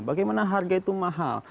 bagaimana harga itu mahal